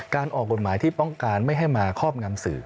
ออกกฎหมายที่ป้องกันไม่ให้มาครอบงำสื่อ